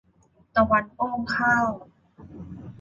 ตะวันอ้อมข้าว